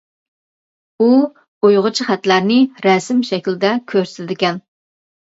ئۇ ئۇيغۇرچە خەتلەرنى رەسىم شەكلىدە كۆرسىتىدىكەن.